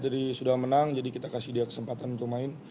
dari sudah menang jadi kita kasih dia kesempatan untuk main